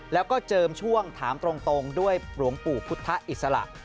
แล้วก็เจิมช่วงถามตรงด้วยหลวงปู่พุทธอิสระ